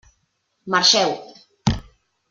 Marxeu!